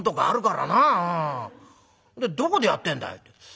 でどこでやってんだい？」。